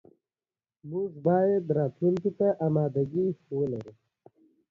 یورانیم د افغانستان طبعي ثروت دی.